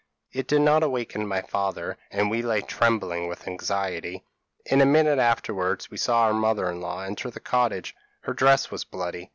It did not awaken my father; and we lay trembling with anxiety. In a minute afterwards we saw our mother in law enter the cottage her dress was bloody.